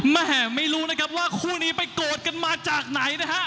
แม่ไม่รู้นะครับว่าคู่นี้ไปโกรธกันมาจากไหนนะฮะ